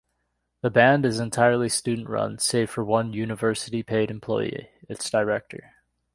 The Band is entirely student-run, save for one University-paid employee, its Director.